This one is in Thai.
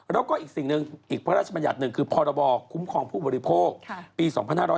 แล้วก็อีกสิ่งหนึ่งอีกพระราชบัญญัติหนึ่งคือพรบคุ้มครองผู้บริโภคปี๒๕๕๙